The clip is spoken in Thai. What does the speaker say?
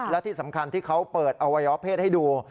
และที่สำคัญที่เขาเปิดอวัยวะเพศให้ดู